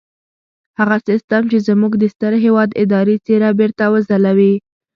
هغه سيستم چې زموږ د ستر هېواد اداري څېره بېرته وځلوي.